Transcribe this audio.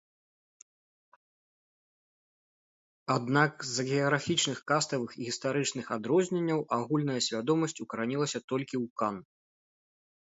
Аднак з-за геаграфічных, каставых і гістарычных адрозненняў агульная свядомасць укаранілася толькі ў кан.